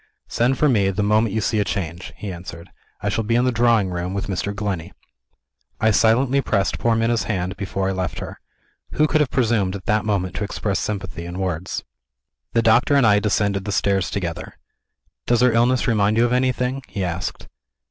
"Send for me, the moment you see a change," he answered; "I shall be in the drawing room, with Mr. Glenney." I silently pressed poor Minna's hand, before I left her. Who could have presumed, at that moment, to express sympathy in words? The doctor and I descended the stairs together. "Does her illness remind you of anything?" he asked.